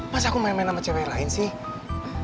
mas aku main main sama cewek lain sih